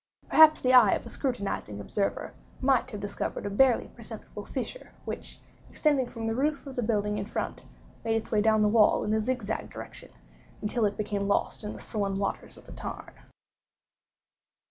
Perhaps the eye of a scrutinizing observer might have discovered a barely perceptible fissure, which, extending from the roof of the building in front, made its way down the wall in a zigzag direction, until it became lost in the sullen waters of the tarn.